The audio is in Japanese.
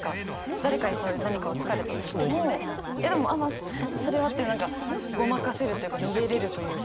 誰かにそういう何かを突かれたとしてもいやでもまあそれはって何かごまかせるというか逃げれるというか。